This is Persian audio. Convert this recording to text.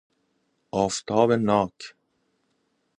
آفتاب ناک